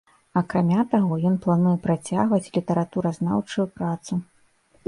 Акрамя таго, ён плануе працягваць літаратуразнаўчую працу.